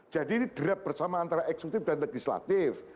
jadi ini berderap bersama antara eksekutif dan legislatif